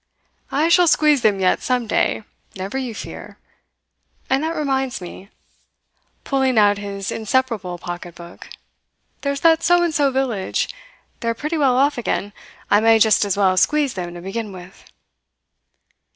"I shall squeeze them yet some day never you fear. And that reminds me" pulling out his inseparable pocketbook "there's that So and So village. They are pretty well off again; I may just as well squeeze them to begin with."